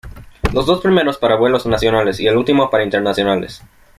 Los dos primeros para vuelos nacionales y el último para internacionales.